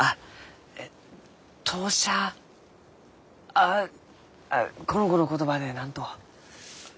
ああこの子の言葉で何と？